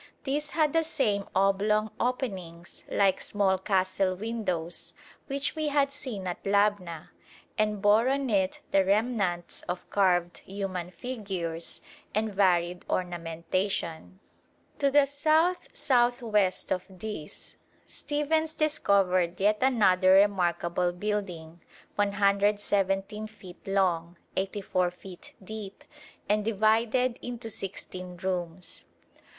This had the same oblong openings like small castle windows which we had seen at Labna, and bore on it the remnants of carved human figures and varied ornamentation. To the S.S.W. of this Stephens discovered yet another remarkable building 117 feet long, 84 feet deep, and divided into sixteen rooms.